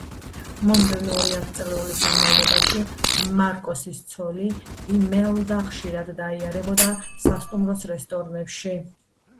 მომდევნო ორი ათწლეულის განმავლობაში მარკოსის ცოლი, იმელდა ხშირად დაიარებოდა სასტუმროს რესტორნებში.